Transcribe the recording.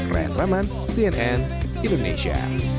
raih raman cnn indonesia